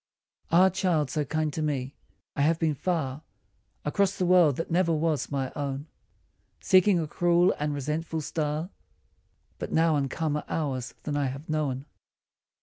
Ah child so kind to me I I have been far Across the world that never was my own Seeking a cruel and resentful star ; But now in calmer hours than I have known, 107 TO E.